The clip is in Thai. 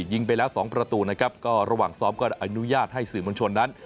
ยิงไปแล้วสองประตูนะครับก็ระหว่างซ้อมก็อนุญาตให้สื่อมวลชนนั้น